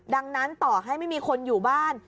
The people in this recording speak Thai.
ดังนั้นต่อให้ไม่มีคนอยู่บ้าน